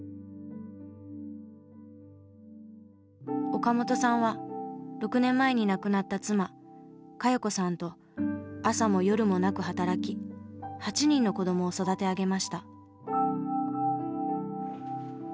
岡本さんは６年前に亡くなった妻賀世子さんと朝も夜もなく働き８人の子どもを育て上げました。